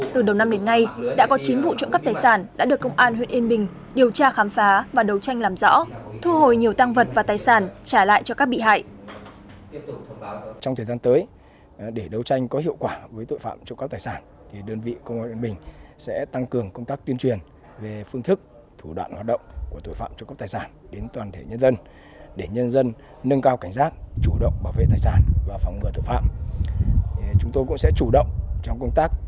từ đầu năm đến ngay đã có chín vụ trộm cắp tài sản đã được công an huyện yên bình điều tra khám phá và đấu tranh làm rõ thu hồi nhiều tăng vật và tài sản trả lại cho các bị hại